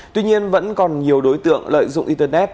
tuy nhiên vẫn còn nhiều đối tượng lợi dụng internet